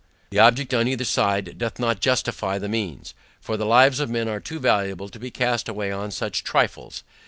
The object, on either side, doth not justify the means; for the lives of men are too valuable to be cast away on such trifles.